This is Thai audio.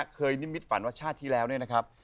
เคยนิ่มวิตฟันว่าชาติที่แล้วนะครับ